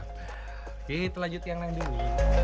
oke kita lanjutkan yang kedua